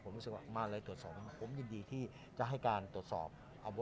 ผมรู้สึกว่ามาเลยตรวจสอบผมยินดีที่จะให้การตรวจสอบ